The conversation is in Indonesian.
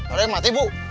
ada yang mati ibu